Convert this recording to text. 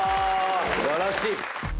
素晴らしい。